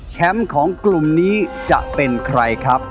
ของกลุ่มนี้จะเป็นใครครับ